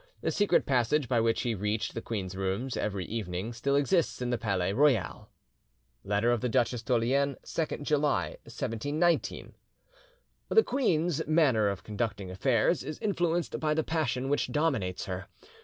The secret passage by which he reached the queen's rooms every evening still exists in the Palais Royal" (Letter of the Duchesse d'Orleans, 2nd July 1719) "The queen's, manner of conducting affairs is influenced by the passion which dominates her.